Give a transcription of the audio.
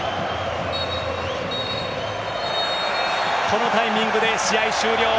このタイミングで試合終了。